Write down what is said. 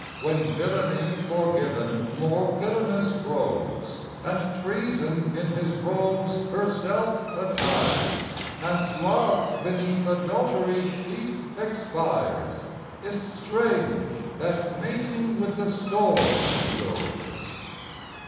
When Villany forgiven more villanous grows, And Treason in his robes herself attires, And Love beneath Adultery's sheet expires, Is 't strange that mating with the Storm he goes?